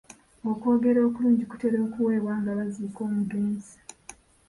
Okwogera okulungi kutera okuweebwa nga baziika omugezi.